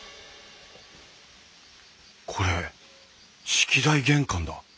これ式台玄関だ。